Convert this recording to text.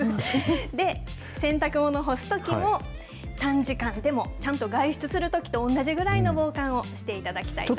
で、洗濯物干すときも短時間でもちゃんと外出するときと同じぐらいの防寒をしていただきたいと。